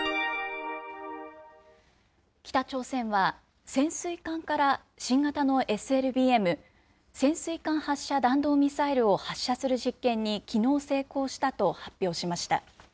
北朝鮮は、潜水艦から新型のＳＬＢＭ・潜水艦発射弾道ミサイルを発射する実験にきのう成功したと発表しました。